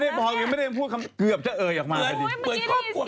ไม่ได้บอกหรือไม่ได้พูดคำเกือบเจ้าเอ๋ยออกมาเลย